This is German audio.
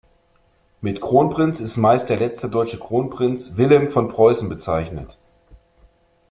Mit Kronprinz ist meist der letzte deutsche Kronprinz, Wilhelm von Preußen bezeichnet.